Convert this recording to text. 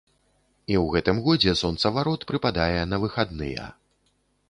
І ў гэтым годзе сонцаварот прыпадае на выхадныя.